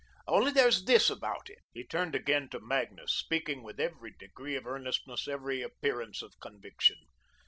Only there's this about it." He turned again to Magnus, speaking with every degree of earnestness, every appearance of conviction.